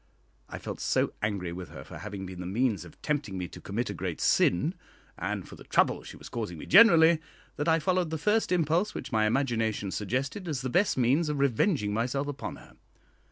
I felt so angry with her for having been the means of tempting me to commit a great sin, and for the trouble she was causing me generally, that I followed the first impulse which my imagination suggested as the best means of revenging myself upon her.